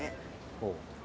ほう。